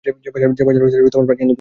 যে ভাষার প্রাচীন লিপি নেই।